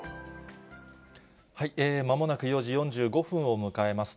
まもなく４時４５分を迎えます。